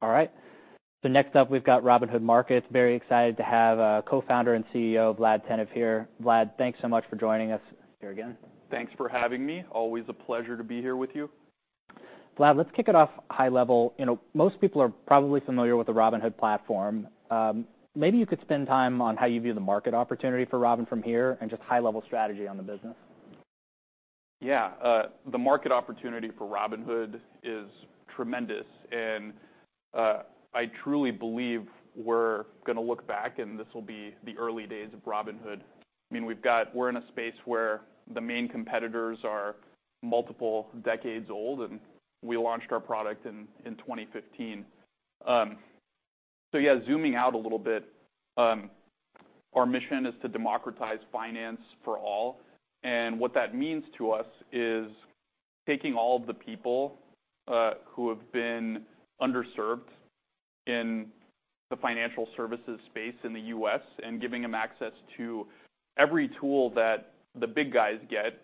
All right. So next up, we've got Robinhood Markets. Very excited to have Co-founder and CEO Vlad Tenev here. Vlad, thanks so much for joining us here again. Thanks for having me. Always a pleasure to be here with you. Vlad, let's kick it off high level. You know, most people are probably familiar with the Robinhood platform. Maybe you could spend time on how you view the market opportunity for Robin from here, and just high-level strategy on the business. Yeah, the market opportunity for Robinhood is tremendous, and I truly believe we're gonna look back, and this will be the early days of Robinhood. I mean, we've got, we're in a space where the main competitors are multiple decades old, and we launched our product in 2015. So yeah, zooming out a little bit, our mission is to democratize finance for all, and what that means to us is taking all of the people who have been underserved in the financial services space in the U.S. and giving them access to every tool that the big guys get.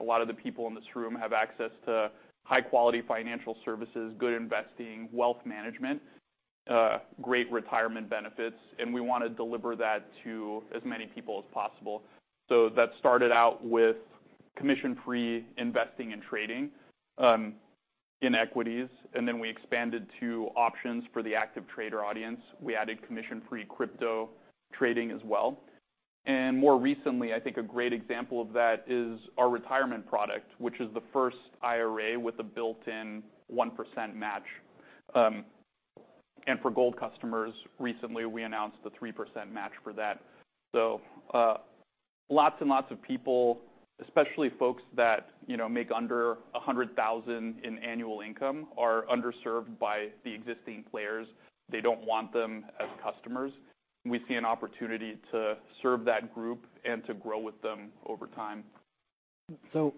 A lot of the people in this room have access to high-quality financial services, good investing, wealth management, great retirement benefits, and we wanna deliver that to as many people as possible. That started out with commission-free investing and trading in equities, and then we expanded to options for the active trader audience. We added commission-free crypto trading as well. More recently, I think a great example of that is our retirement product, which is the first IRA with a built-in 1% match. For Gold customers, recently, we announced a 3% match for that. Lots and lots of people, especially folks that, you know, make under 100,000 in annual income, are underserved by the existing players. They don't want them as customers. We see an opportunity to serve that group and to grow with them over time. So,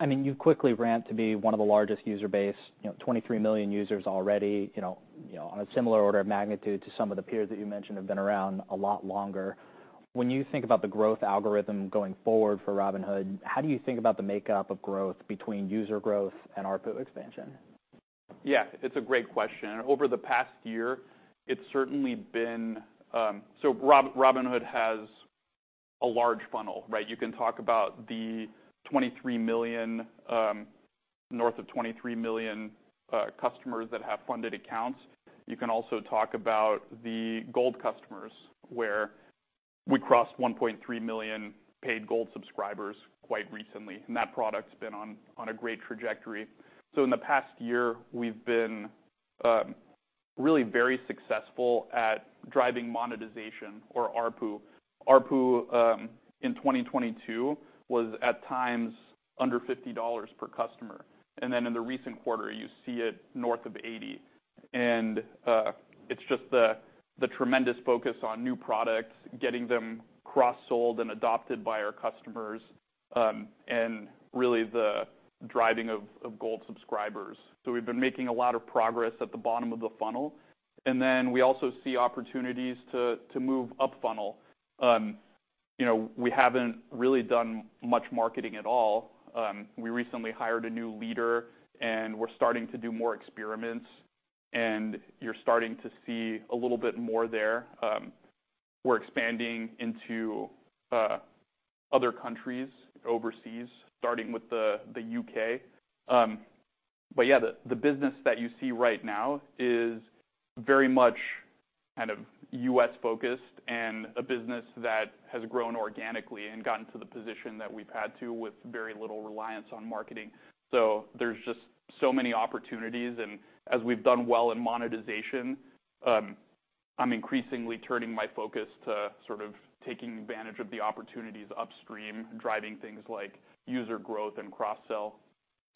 I mean, you quickly ran to be one of the largest user base, you know, 23 million users already, you know, you know, on a similar order of magnitude to some of the peers that you mentioned have been around a lot longer. When you think about the growth algorithm going forward for Robinhood, how do you think about the makeup of growth between user growth and ARPU expansion? Yeah, it's a great question. Over the past year, it's certainly been... So Robinhood has a large funnel, right? You can talk about the 23 million, north of 23 million, customers that have funded accounts. You can also talk about the Gold customers, where we crossed 1.3 million paid Gold subscribers quite recently, and that product's been on, on a great trajectory. So in the past year, we've been really very successful at driving monetization or ARPU. ARPU in 2022 was at times under $50 per customer, and then in the recent quarter, you see it north of $80. And it's just the, the tremendous focus on new products, getting them cross-sold and adopted by our customers, and really the driving of, of Gold subscribers. So we've been making a lot of progress at the bottom of the funnel, and then we also see opportunities to move up funnel. You know, we haven't really done much marketing at all. We recently hired a new leader, and we're starting to do more experiments, and you're starting to see a little bit more there. We're expanding into other countries overseas, starting with the U.K. But yeah, the business that you see right now is very much kind of U.S.-focused and a business that has grown organically and gotten to the position that we've had to with very little reliance on marketing. So there's just so many opportunities, and as we've done well in monetization, I'm increasingly turning my focus to sort of taking advantage of the opportunities upstream, driving things like user growth and cross-sell.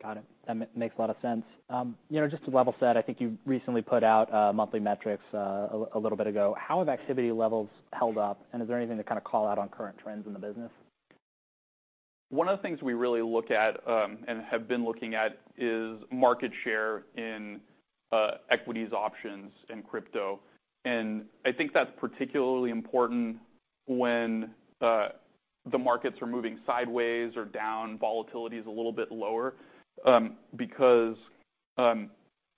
Got it. That makes a lot of sense. You know, just to level set, I think you recently put out monthly metrics a little bit ago. How have activity levels held up, and is there anything to kind of call out on current trends in the business? One of the things we really look at and have been looking at is market share in equities, options, and crypto. I think that's particularly important when the markets are moving sideways or down, volatility is a little bit lower, because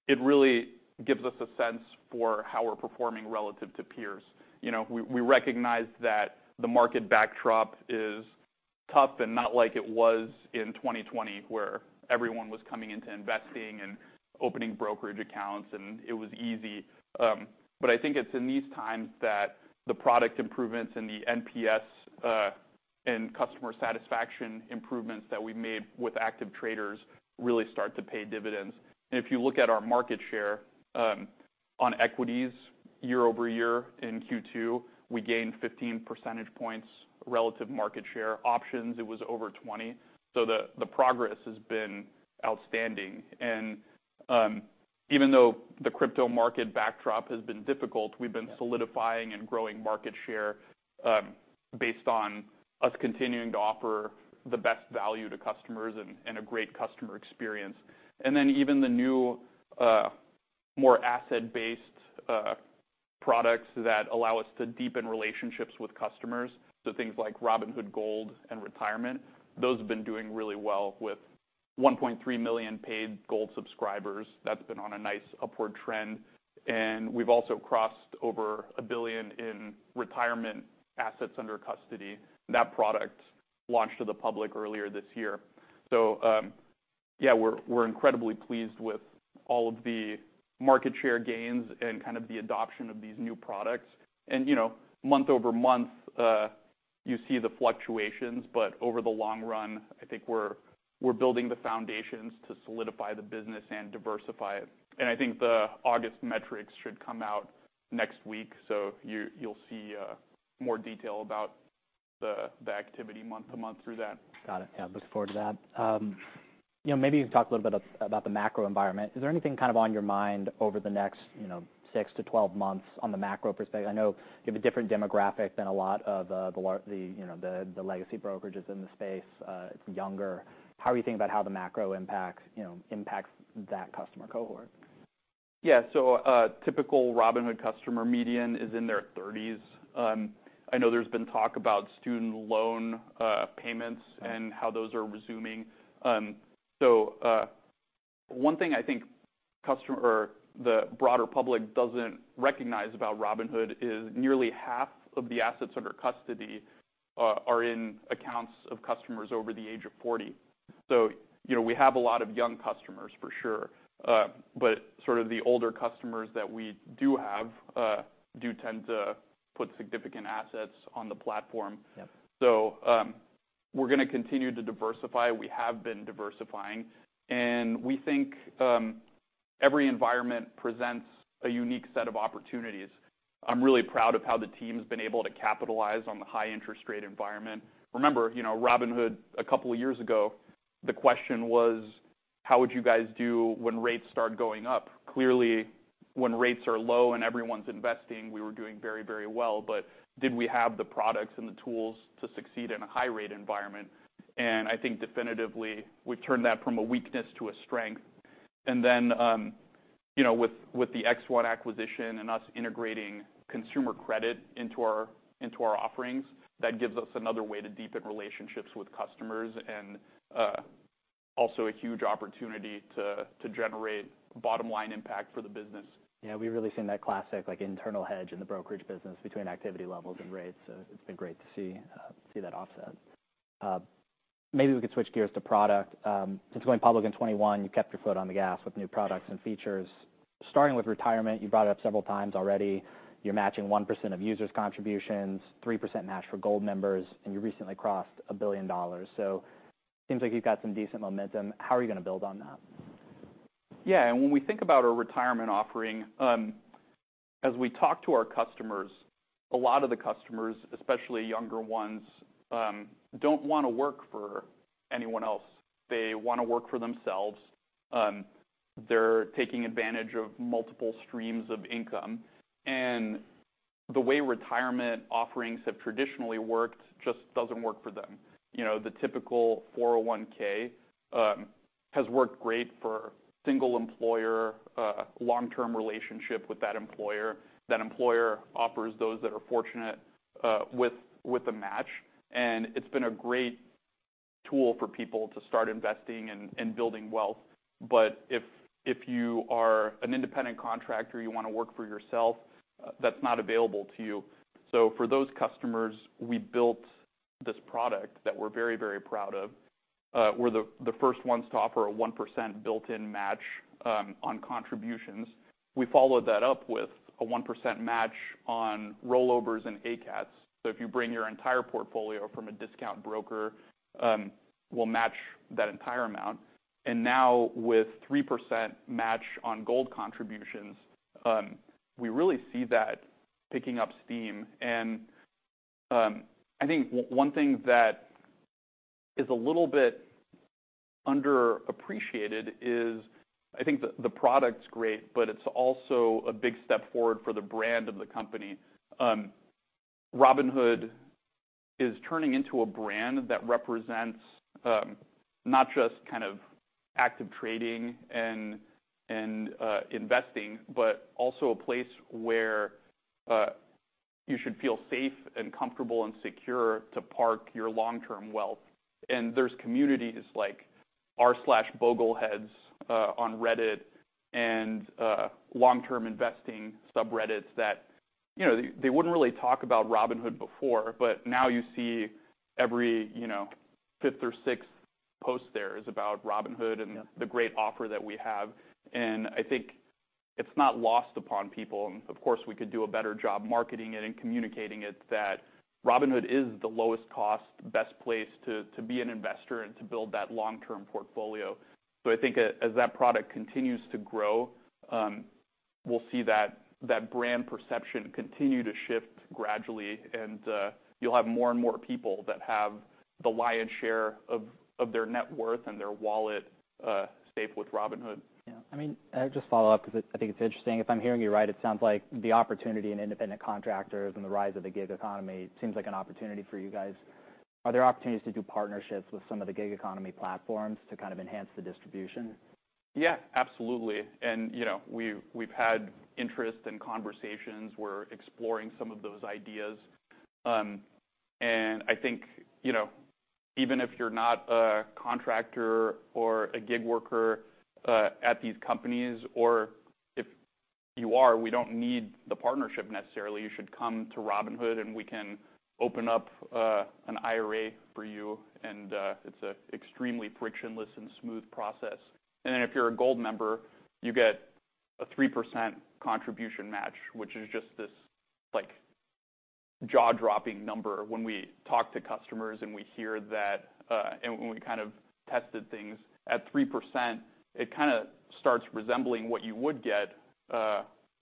it really gives us a sense for how we're performing relative to peers. You know, we recognize that the market backdrop is tough and not like it was in 2020, where everyone was coming into investing and opening brokerage accounts, and it was easy. But I think it's in these times that the product improvements and the NPS and customer satisfaction improvements that we've made with active traders really start to pay dividends. If you look at our market share on equities year-over-year in Q2, we gained 15 percentage points, relative market share. Options, it was over 20, so the progress has been outstanding. Even though the crypto market backdrop has been difficult, we've been solidifying and growing market share, based on us continuing to offer the best value to customers and a great customer experience. And then even the new more asset-based products that allow us to deepen relationships with customers, so things like Robinhood Gold and Retirement, those have been doing really well with 1.3 million paid Gold subscribers. That's been on a nice upward trend, and we've also crossed over $1 billion in retirement assets under custody. That product launched to the public earlier this year. So, yeah, we're incredibly pleased with all of the market share gains and kind of the adoption of these new products. You know, month over month, you see the fluctuations, but over the long run, I think we're building the foundations to solidify the business and diversify it. I think the August metrics should come out next week, so you'll see more detail about the activity month to month through that. Got it. Yeah, look forward to that. You know, maybe you can talk a little bit about the macro environment. Is there anything kind of on your mind over the next, you know, 6-12 months on the macro perspective? I know you have a different demographic than a lot of the, you know, the legacy brokerages in the space. It's younger. How are you thinking about how the macro impacts, you know, impacts that customer cohort? Yeah. So a typical Robinhood customer median is in their thirties. I know there's been talk about student loan payments- Yeah... and how those are resuming. So, one thing I think customer or the broader public doesn't recognize about Robinhood is nearly half of the assets under custody are in accounts of customers over the age of 40. So, you know, we have a lot of young customers, for sure, but sort of the older customers that we do have do tend to put significant assets on the platform. Yep. So, we're gonna continue to diversify. We have been diversifying, and we think, every environment presents a unique set of opportunities. I'm really proud of how the team's been able to capitalize on the high interest rate environment. Remember, you know, Robinhood, a couple of years ago, the question was: how would you guys do when rates start going up? Clearly, when rates are low and everyone's investing, we were doing very, very well, but did we have the products and the tools to succeed in a high-rate environment? And I think definitively, we've turned that from a weakness to a strength. And then, you know, with the X1 acquisition and us integrating consumer credit into our offerings, that gives us another way to deepen relationships with customers and also a huge opportunity to generate bottom-line impact for the business. Yeah, we've really seen that classic, like, internal hedge in the brokerage business between activity levels and rates, so it's been great to see that offset. Maybe we could switch gears to product. Since going public in 2021, you kept your foot on the gas with new products and features. Starting with retirement, you brought it up several times already. You're matching 1% of users' contributions, 3% match for Gold members, and you recently crossed $1 billion. So seems like you've got some decent momentum. How are you gonna build on that? Yeah, and when we think about our retirement offering, as we talk to our customers, a lot of the customers, especially younger ones, don't wanna work for anyone else. They wanna work for themselves. They're taking advantage of multiple streams of income, and the way retirement offerings have traditionally worked just doesn't work for them. You know, the typical 401(k) has worked great for single employer, long-term relationship with that employer. That employer offers those that are fortunate, with a match, and it's been a great tool for people to start investing and building wealth. But if you are an independent contractor, you wanna work for yourself, that's not available to you. So for those customers, we built this product that we're very, very proud of. We're the first ones to offer a 1% built-in match on contributions. We followed that up with a 1% match on rollovers and ACATS. So if you bring your entire portfolio from a discount broker, we'll match that entire amount. And now, with 3% match on Gold contributions, we really see that picking up steam. And I think one thing that is a little bit underappreciated is, I think the product's great, but it's also a big step forward for the brand of the company. Robinhood is turning into a brand that represents not just kind of active trading and investing, but also a place where you should feel safe and comfortable and secure to park your long-term wealth. There's communities like r/Bogleheads on Reddit and long-term investing subreddits that, you know, they wouldn't really talk about Robinhood before, but now you see every, you know, fifth or sixth post there is about Robinhood- Yeah... and the great offer that we have. And I think it's not lost upon people, and of course, we could do a better job marketing it and communicating it, that Robinhood is the lowest cost, best place to be an investor and to build that long-term portfolio. So I think as that product continues to grow, we'll see that brand perception continue to shift gradually, and you'll have more and more people that have the lion's share of their net worth and their wallet safe with Robinhood. Yeah. I mean, I'll just follow up because I think it's interesting. If I'm hearing you right, it sounds like the opportunity in independent contractors and the rise of the gig economy seems like an opportunity for you guys... Are there opportunities to do partnerships with some of the gig economy platforms to kind of enhance the distribution? Yeah, absolutely. And, you know, we've had interest and conversations. We're exploring some of those ideas. And I think, you know, even if you're not a contractor or a gig worker at these companies, or if you are, we don't need the partnership necessarily. You should come to Robinhood, and we can open up an IRA for you, and it's an extremely frictionless and smooth process. And then, if you're a Gold member, you get a 3% contribution match, which is just this, like, jaw-dropping number when we talk to customers and we hear that, and when we kind of tested things at 3%, it kind of starts resembling what you would get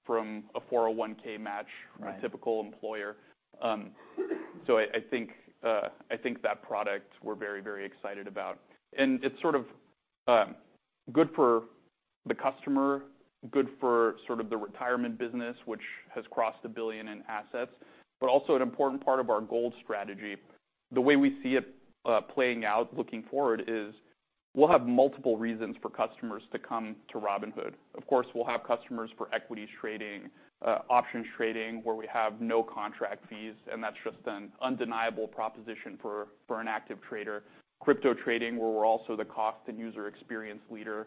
from a 401(k) match- Right. from a typical employer. So I think that product we're very, very excited about. And it's sort of good for the customer, good for sort of the retirement business, which has crossed $1 billion in assets, but also an important part of our Gold strategy. The way we see it playing out looking forward is, we'll have multiple reasons for customers to come to Robinhood. Of course, we'll have customers for equities trading, options trading, where we have no contract fees, and that's just an undeniable proposition for an active trader. Crypto trading, where we're also the cost and user experience leader.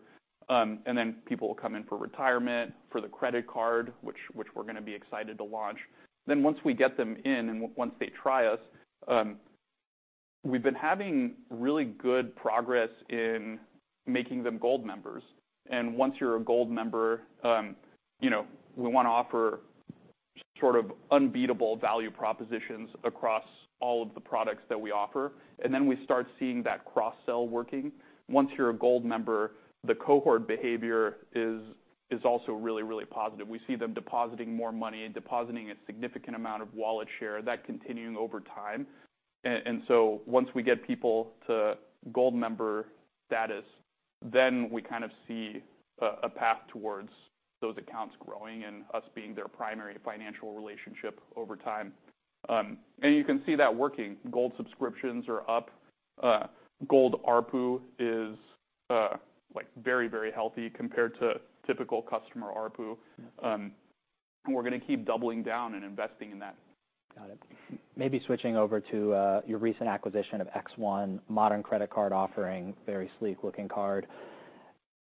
And then people will come in for retirement, for the credit card, which we're going to be excited to launch. Then, once we get them in and once they try us, we've been having really good progress in making them Gold members. Once you're a Gold member, you know, we want to offer sort of unbeatable value propositions across all of the products that we offer, and then we start seeing that cross-sell working. Once you're a Gold member, the cohort behavior is also really, really positive. We see them depositing more money and depositing a significant amount of wallet share, that continuing over time. And so once we get people to Gold member status, then we kind of see a path towards those accounts growing and us being their primary financial relationship over time. And you can see that working. Gold subscriptions are up. Gold ARPU is like very, very healthy compared to typical customer ARPU. Yeah. We're going to keep doubling down and investing in that. Got it. Maybe switching over to your recent acquisition of X1 modern credit card offering, very sleek-looking card.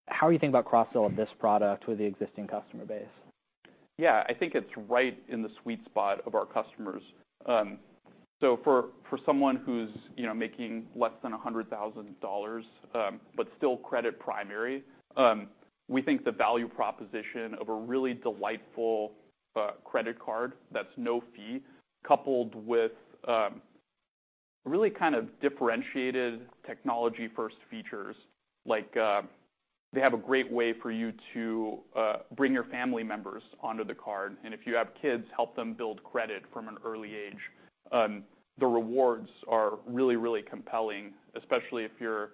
How are you thinking about cross-sell of this product with the existing customer base? Yeah. I think it's right in the sweet spot of our customers. So for someone who's, you know, making less than $100,000, but still credit primary, we think the value proposition of a really delightful credit card that's no fee, coupled with really kind of differentiated technology-first features, like, they have a great way for you to bring your family members onto the card, and if you have kids, help them build credit from an early age. The rewards are really, really compelling, especially if you're,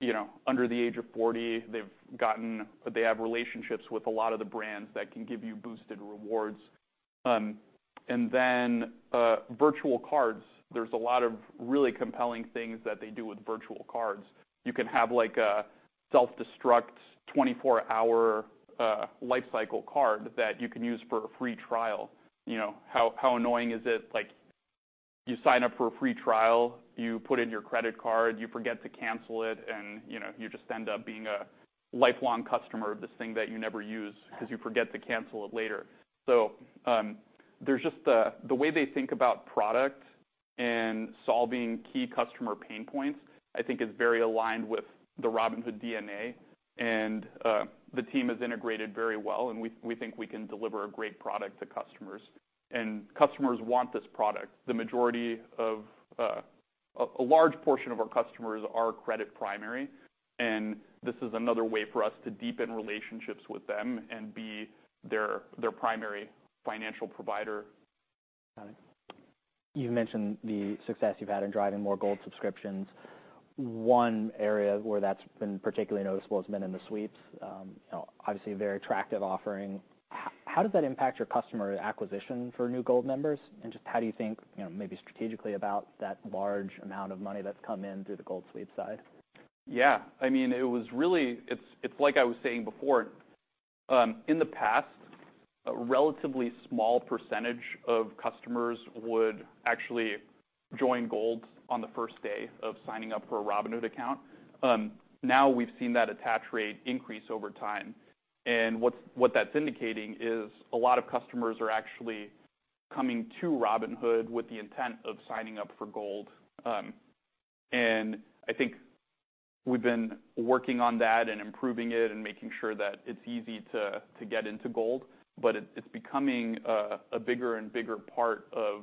you know, under the age of 40. They have relationships with a lot of the brands that can give you boosted rewards. And then, virtual cards, there's a lot of really compelling things that they do with virtual cards. You can have, like, a self-destruct, 24-hour life cycle card that you can use for a free trial. You know, how, how annoying is it? Like, you sign up for a free trial, you put in your credit card, you forget to cancel it, and, you know, you just end up being a lifelong customer of this thing that you never use- Yeah... because you forget to cancel it later. So, there's just the way they think about product and solving key customer pain points, I think is very aligned with the Robinhood DNA, and the team has integrated very well, and we think we can deliver a great product to customers. And customers want this product. The majority of a large portion of our customers are credit primary, and this is another way for us to deepen relationships with them and be their primary financial provider. Got it. You've mentioned the success you've had in driving more Gold subscriptions. One area where that's been particularly noticeable has been in the sweeps, you know, obviously a very attractive offering. How does that impact your customer acquisition for new Gold members? And just how do you think, you know, maybe strategically about that large amount of money that's come in through the Gold sweep side? Yeah. I mean, it was really. It's like I was saying before. In the past, a relatively small percentage of customers would actually join Gold on the first day of signing up for a Robinhood account. Now we've seen that attach rate increase over time, and what that's indicating is a lot of customers are actually coming to Robinhood with the intent of signing up for Gold. And I think we've been working on that and improving it and making sure that it's easy to get into Gold, but it's becoming a bigger and bigger part of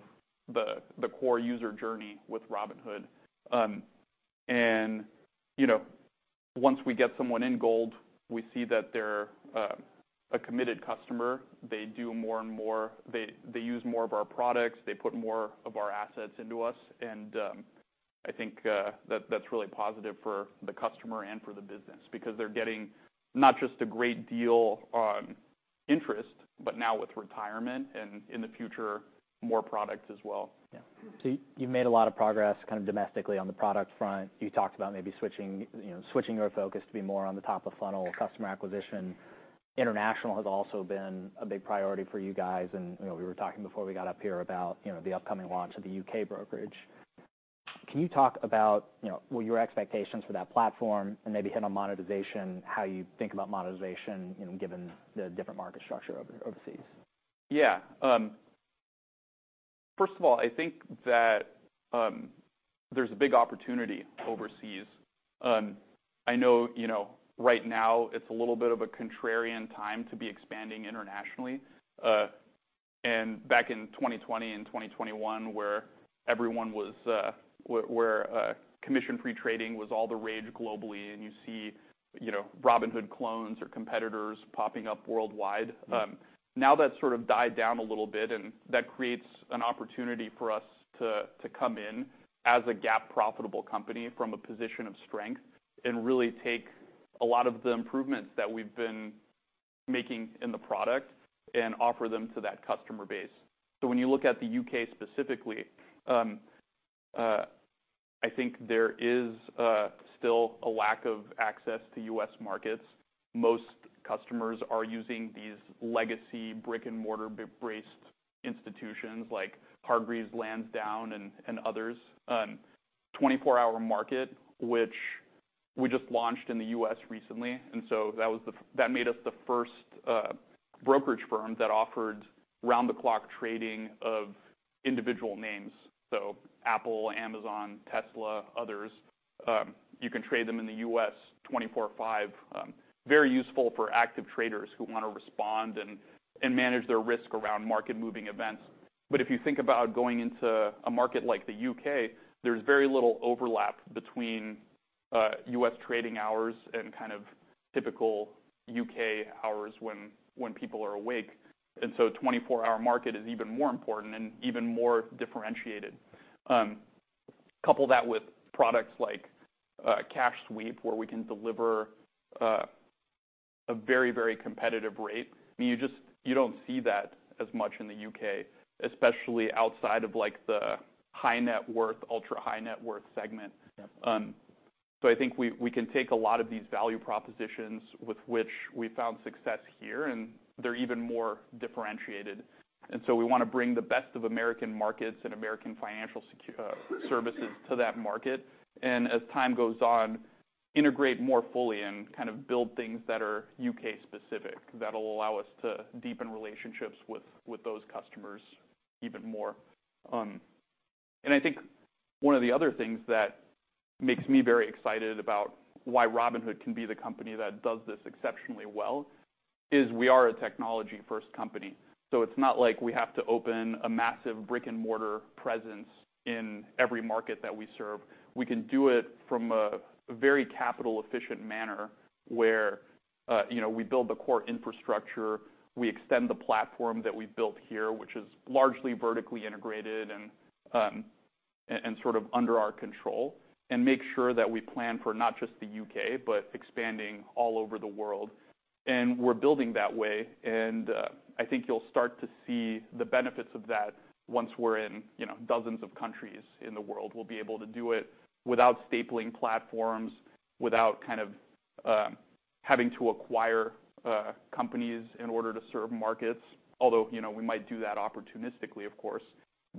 the core user journey with Robinhood. And, you know, once we get someone in Gold, we see that they're a committed customer. They do more and more - they use more of our products, they put more of our assets into us, and I think that that's really positive for the customer and for the business because they're getting not just a great deal on interest, but now with retirement, and in the future, more products as well. Yeah. So you've made a lot of progress kind of domestically on the product front. You talked about maybe switching, you know, switching your focus to be more on the top-of-funnel customer acquisition. International has also been a big priority for you guys, and, you know, we were talking before we got up here about, you know, the upcoming launch of the U.K. brokerage. Can you talk about, you know, what are your expectations for that platform, and maybe hit on monetization, how you think about monetization, you know, given the different market structure over, overseas? Yeah. First of all, I think that there's a big opportunity overseas. I know, you know, right now it's a little bit of a contrarian time to be expanding internationally. And back in 2020 and 2021, where commission-free trading was all the rage globally, and you see, you know, Robinhood clones or competitors popping up worldwide. Now that's sort of died down a little bit, and that creates an opportunity for us to come in as a GAAP profitable company from a position of strength, and really take a lot of the improvements that we've been making in the product and offer them to that customer base. So when you look at the U.K. specifically, I think there is still a lack of access to U.S. markets. Most customers are using these legacy brick-and-mortar-based institutions like Hargreaves Lansdown and others. 24 Hour Market, which we just launched in the U.S. recently, and so that made us the first brokerage firm that offered round-the-clock trading of individual names. So Apple, Amazon, Tesla, others, you can trade them in the U.S. 24/5. Very useful for active traders who want to respond and manage their risk around market-moving events. But if you think about going into a market like the U.K., there's very little overlap between U.S. trading hours and kind of typical U.K. hours when people are awake. And so 24 Hour Market is even more important and even more differentiated. Couple that with products like Cash Sweep, where we can deliver a very, very competitive rate, and you just don't see that as much in the U.K., especially outside of, like, the high-net-worth, ultra-high-net-worth segment. Yeah. I think we can take a lot of these value propositions with which we found success here, and they're even more differentiated. We want to bring the best of American markets and American financial services to that market, and as time goes on, integrate more fully and kind of build things that are U.K.-specific, that'll allow us to deepen relationships with those customers even more. I think one of the other things that makes me very excited about why Robinhood can be the company that does this exceptionally well is we are a technology-first company. It's not like we have to open a massive brick-and-mortar presence in every market that we serve. We can do it from a very capital-efficient manner, where, you know, we build the core infrastructure, we extend the platform that we've built here, which is largely vertically integrated and and sort of under our control, and make sure that we plan for not just the U.K., but expanding all over the world. And we're building that way, and, I think you'll start to see the benefits of that once we're in, you know, dozens of countries in the world. We'll be able to do it without stapling platforms, without kind of, having to acquire, companies in order to serve markets. Although, you know, we might do that opportunistically, of course,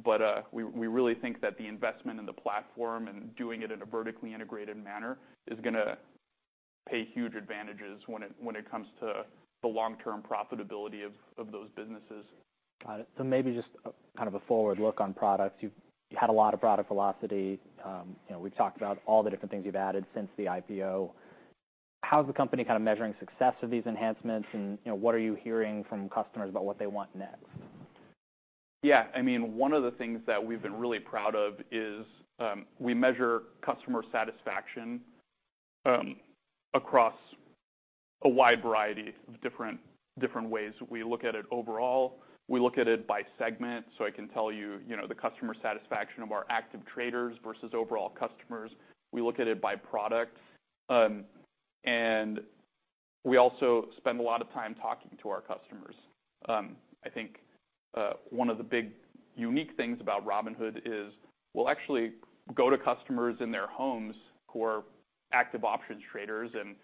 but we really think that the investment in the platform and doing it in a vertically integrated manner is gonna pay huge advantages when it comes to the long-term profitability of those businesses. Got it. So maybe just kind of a forward look on products. You've had a lot of product velocity. You know, we've talked about all the different things you've added since the IPO. How is the company kind of measuring success of these enhancements? And, you know, what are you hearing from customers about what they want next? Yeah, I mean, one of the things that we've been really proud of is, we measure customer satisfaction, across a wide variety of different ways. We look at it overall, we look at it by segment. So I can tell you, you know, the customer satisfaction of our active traders versus overall customers. We look at it by product, and we also spend a lot of time talking to our customers. I think, one of the big unique things about Robinhood is, we'll actually go to customers in their homes who are active options traders and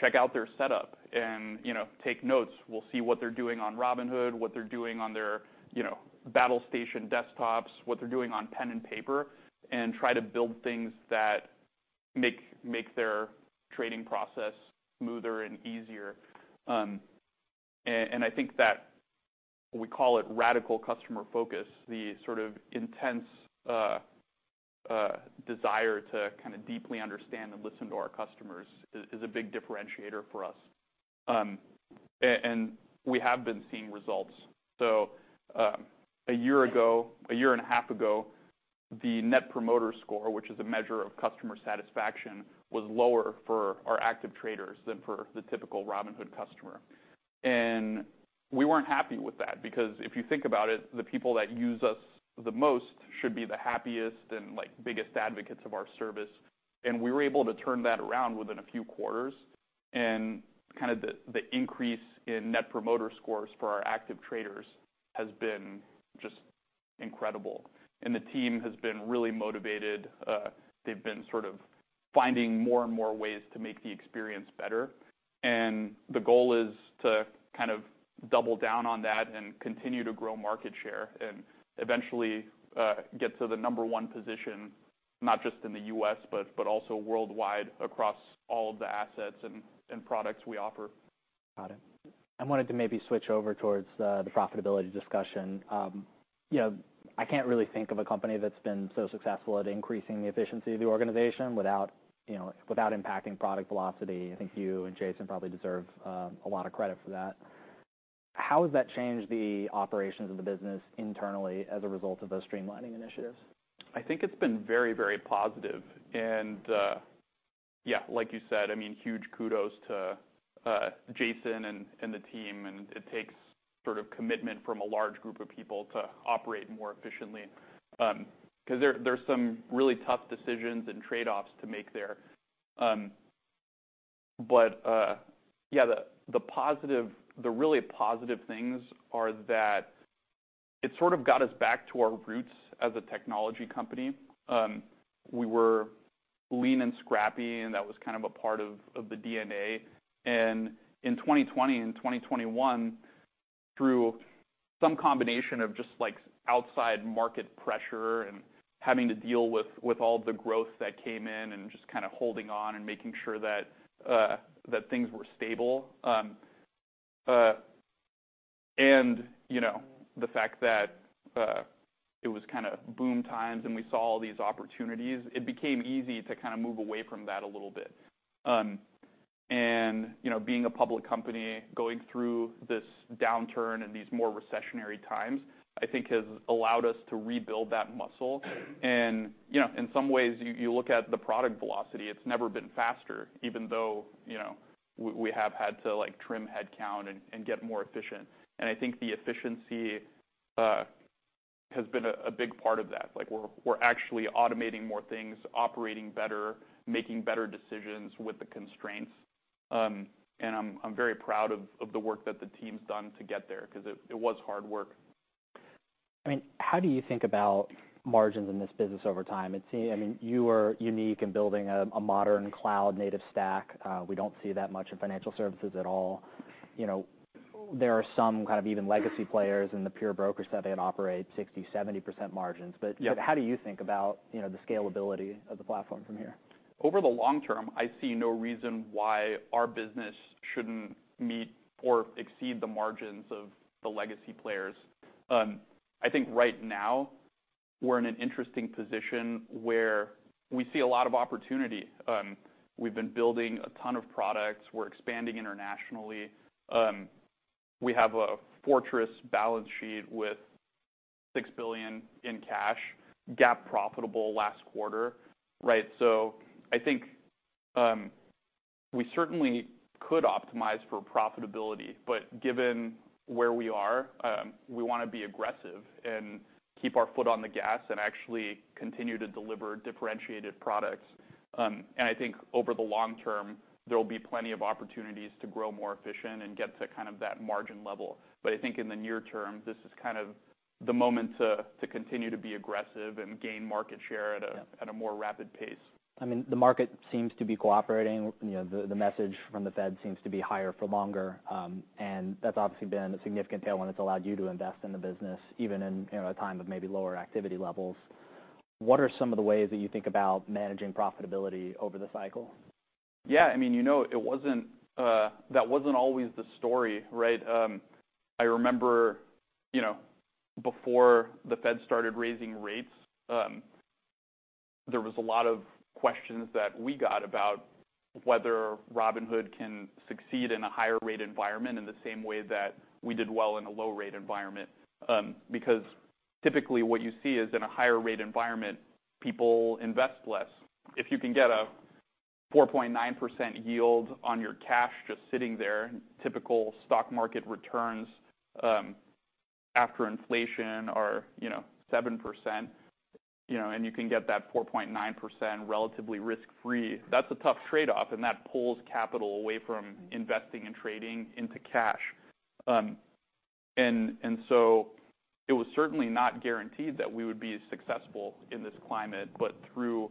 check out their setup and, you know, take notes. We'll see what they're doing on Robinhood, what they're doing on their, you know, battle station desktops, what they're doing on pen and paper, and try to build things that make their trading process smoother and easier. I think that we call it radical customer focus, the sort of intense desire to kind of deeply understand and listen to our customers is a big differentiator for us. We have been seeing results. So, a year ago, a year and a half ago, the Net Promoter Score, which is a measure of customer satisfaction, was lower for our active traders than for the typical Robinhood customer. And we weren't happy with that, because if you think about it, the people that use us the most should be the happiest and, like, biggest advocates of our service. And we were able to turn that around within a few quarters, and kind of the increase in Net Promoter Scores for our active traders has been just incredible. And the team has been really motivated. They've been sort of finding more and more ways to make the experience better. The goal is to kind of double down on that and continue to grow market share, and eventually get to the number one position, not just in the U.S., but also worldwide across all of the assets and products we offer. Got it. I wanted to maybe switch over towards the profitability discussion. You know, I can't really think of a company that's been so successful at increasing the efficiency of the organization without, you know, without impacting product velocity. I think you and Jason probably deserve a lot of credit for that. How has that changed the operations of the business internally as a result of those streamlining initiatives? I think it's been very, very positive, and, yeah, like you said, I mean, huge kudos to Jason and the team, and it takes sort of commitment from a large group of people to operate more efficiently. 'Cause there, there's some really tough decisions and trade-offs to make there. But, yeah, the positive—the really positive things are that it sort of got us back to our roots as a technology company. We were lean and scrappy, and that was kind of a part of the DNA. And in 2020 and 2021, through some combination of just, like, outside market pressure and having to deal with all the growth that came in and just kind of holding on and making sure that things were stable. and, you know, the fact that it was kind of boom times, and we saw all these opportunities, it became easy to kind of move away from that a little bit. And, you know, being a public company, going through this downturn and these more recessionary times, I think has allowed us to rebuild that muscle. And, you know, in some ways, you look at the product velocity, it's never been faster, even though, you know, we have had to, like, trim headcount and get more efficient. And I think the efficiency has been a big part of that. Like, we're actually automating more things, operating better, making better decisions with the constraints. And I'm very proud of the work that the team's done to get there because it was hard work. I mean, how do you think about margins in this business over time? It seems, I mean, you are unique in building a modern cloud-native stack. We don't see that much in financial services at all. You know, there are some kind of even legacy players in the pure broker set that operate 60%-70% margins. Yep. How do you think about, you know, the scalability of the platform from here? Over the long term, I see no reason why our business shouldn't meet or exceed the margins of the legacy players. I think right now, we're in an interesting position where we see a lot of opportunity. We've been building a ton of products. We're expanding internationally. We have a fortress balance sheet with $6 billion in cash, GAAP profitable last quarter, right? So I think, we certainly could optimize for profitability, but given where we are, we wanna be aggressive and keep our foot on the gas and actually continue to deliver differentiated products. And I think over the long term, there will be plenty of opportunities to grow more efficient and get to kind of that margin level. But I think in the near term, this is kind of the moment to continue to be aggressive and gain market share at a- Yeah... at a more rapid pace. I mean, the market seems to be cooperating. You know, the message from the Fed seems to be higher for longer, and that's obviously been a significant tailwind that's allowed you to invest in the business, even in, you know, a time of maybe lower activity levels. What are some of the ways that you think about managing profitability over the cycle? Yeah, I mean, you know, it wasn't... That wasn't always the story, right? I remember, you know, before the Fed started raising rates, there was a lot of questions that we got about whether Robinhood can succeed in a higher rate environment in the same way that we did well in a low-rate environment. Because typically, what you see is, in a higher rate environment, people invest less. If you can get a 4.9% yield on your cash just sitting there, typical stock market returns, after inflation are, you know, 7%, you know, and you can get that 4.9% relatively risk-free, that's a tough trade-off, and that pulls capital away from investing and trading into cash. So it was certainly not guaranteed that we would be as successful in this climate, but through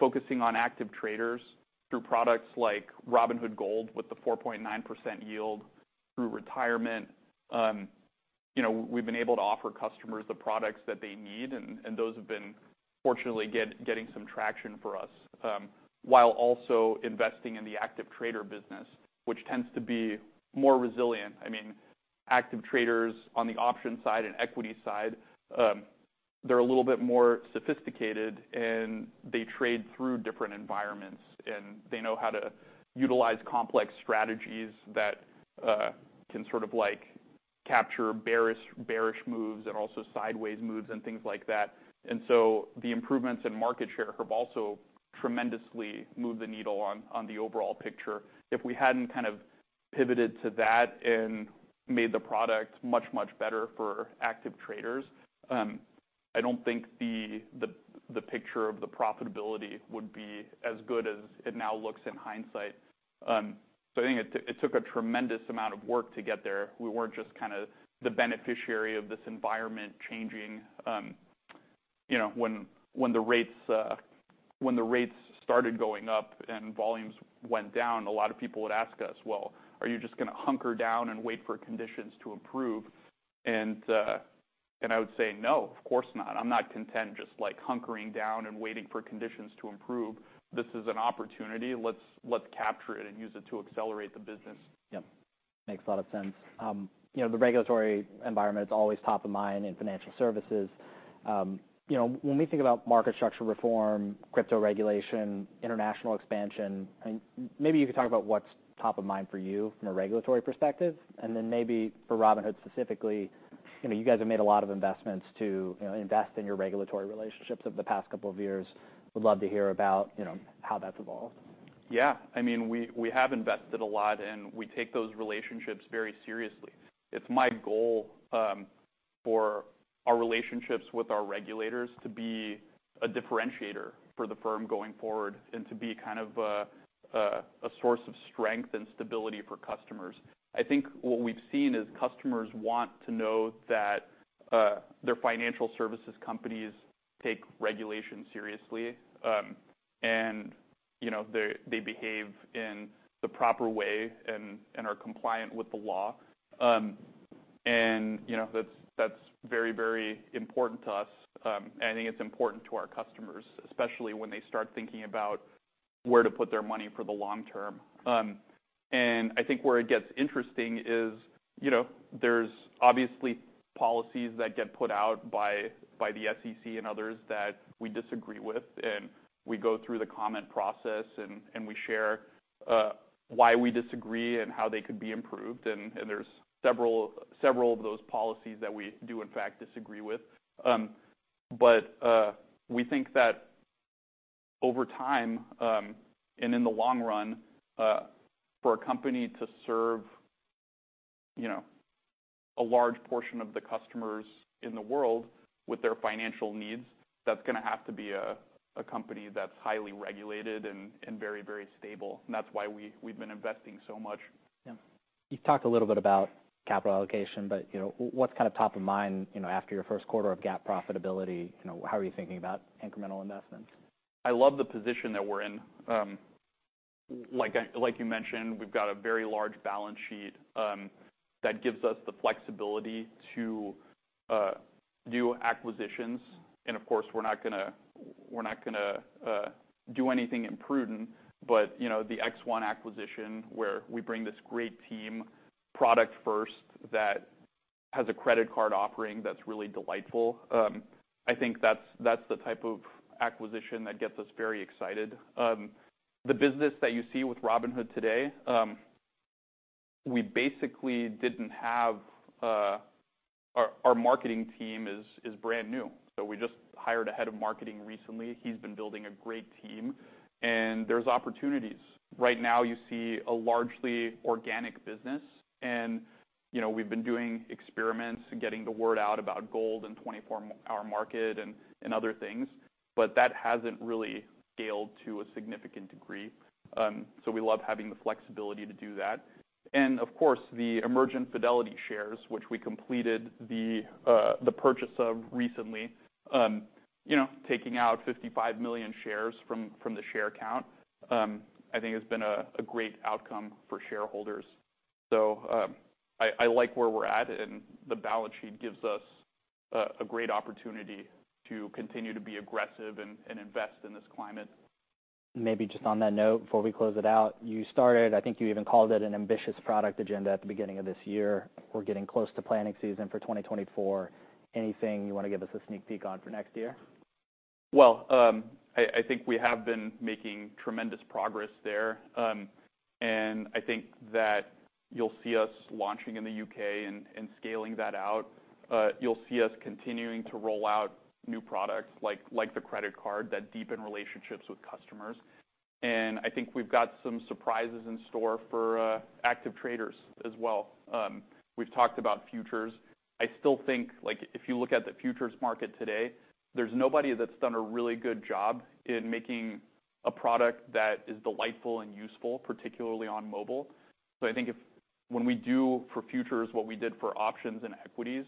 focusing on active traders, through products like Robinhood Gold with the 4.9% yield, through retirement, you know, we've been able to offer customers the products that they need, and those have been fortunately getting some traction for us, while also investing in the active trader business, which tends to be more resilient. I mean, active traders on the option side and equity side, they're a little bit more sophisticated, and they trade through different environments, and they know how to utilize complex strategies that can sort of like capture bearish moves and also sideways moves and things like that. And so the improvements in market share have also tremendously moved the needle on the overall picture. If we hadn't kind of pivoted to that and made the product much, much better for active traders, I don't think the picture of the profitability would be as good as it now looks in hindsight. So I think it took a tremendous amount of work to get there. We weren't just kind of the beneficiary of this environment changing. You know, when the rates started going up and volumes went down, a lot of people would ask us: "Well, are you just gonna hunker down and wait for conditions to improve?" And I would say, "No, of course not. I'm not content just, like, hunkering down and waiting for conditions to improve. This is an opportunity. Let's capture it and use it to accelerate the business. Yep. Makes a lot of sense. You know, the regulatory environment is always top of mind in financial services. You know, when we think about market structure reform, crypto regulation, international expansion, and maybe you could talk about what's top of mind for you from a regulatory perspective. And then maybe for Robinhood, specifically, you know, you guys have made a lot of investments to, you know, invest in your regulatory relationships over the past couple of years. Would love to hear about, you know, how that's evolved. Yeah. I mean, we have invested a lot, and we take those relationships very seriously. It's my goal for our relationships with our regulators to be a differentiator for the firm going forward and to be kind of a source of strength and stability for customers. I think what we've seen is customers want to know that their financial services companies take regulation seriously, and, you know, they behave in the proper way and are compliant with the law. And, you know, that's very, very important to us. And I think it's important to our customers, especially when they start thinking about where to put their money for the long term. And I think where it gets interesting is, you know, there's obviously policies that get put out by the SEC and others that we disagree with, and we go through the comment process and we share why we disagree and how they could be improved. And there's several of those policies that we do, in fact, disagree with. But we think that over time, and in the long run, for a company to serve, you know, a large portion of the customers in the world with their financial needs, that's gonna have to be a company that's highly regulated and very, very stable. And that's why we've been investing so much. Yeah. You've talked a little bit about capital allocation, but, you know, what's kind of top of mind, you know, after your first quarter of GAAP profitability? You know, how are you thinking about incremental investments? I love the position that we're in. Like you mentioned, we've got a very large balance sheet that gives us the flexibility to do acquisitions. And of course, we're not gonna, we're not gonna do anything imprudent. But, you know, the X1 acquisition, where we bring this great team, product first, that has a credit card offering that's really delightful, I think that's, that's the type of acquisition that gets us very excited. The business that you see with Robinhood today, we basically didn't have... Our, our marketing team is, is brand new. So we just hired a head of marketing recently. He's been building a great team, and there's opportunities. Right now, you see a largely organic business, and, you know, we've been doing experiments and getting the word out about Gold and 24 Hour Market and other things, but that hasn't really scaled to a significant degree. So we love having the flexibility to do that. And of course, the Emergent Fidelity shares, which we completed the purchase of recently, you know, taking out 55 million shares from the share count, I think has been a great outcome for shareholders. So, I like where we're at, and the balance sheet gives us a great opportunity to continue to be aggressive and invest in this climate. Maybe just on that note, before we close it out, you started, I think you even called it an ambitious product agenda at the beginning of this year. We're getting close to planning season for 2024. Anything you wanna give us a sneak peek on for next year? Well, I think we have been making tremendous progress there. And I think that you'll see us launching in the U.K. and scaling that out. You'll see us continuing to roll out new products like the credit card that deepen relationships with customers. And I think we've got some surprises in store for active traders as well. We've talked about futures. I still think, like, if you look at the futures market today, there's nobody that's done a really good job in making a product that is delightful and useful, particularly on mobile. So I think if when we do for futures what we did for options and equities,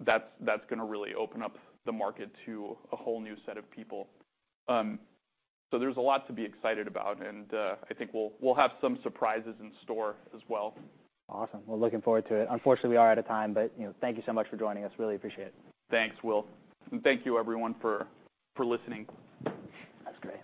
that's gonna really open up the market to a whole new set of people. So there's a lot to be excited about, and I think we'll have some surprises in store as well. Awesome. Well, looking forward to it. Unfortunately, we are out of time, but, you know, thank you so much for joining us. Really appreciate it. Thanks, Will. Thank you everyone for listening. That's great.